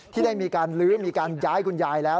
ที่ได้มีการลื้อมีการย้ายคุณยายแล้ว